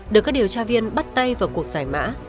được các điều tra viên bắt tay vào cuộc giải mã